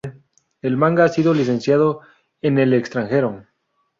El manga ha sido licenciado en el extranjero.